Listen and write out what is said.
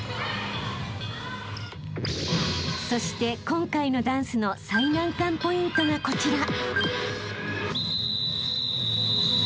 ［そして今回のダンスの最難関ポイントがこちら］